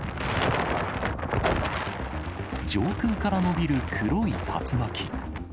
上空から伸びる黒い竜巻。